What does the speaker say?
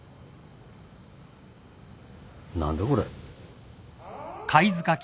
何だこれ。